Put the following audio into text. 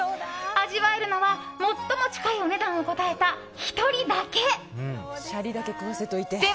味わえるのは最も近いお値段を答えたシャリだけ食わせといて。